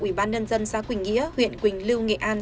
ủy ban nhân dân xã quỳnh nghĩa huyện quỳnh lưu nghệ an